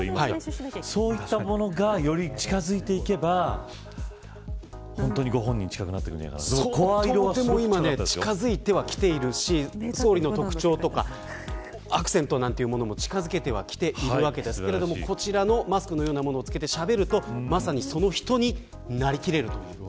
そういったものがより近づいていけば本当にご本人に近くなって近づいてはきているし総理の特徴とかアクセントなんていうものも近づけてはきているんですがこちらのマスクのようなものを着けてしゃべるとまさにその人になりきれるという。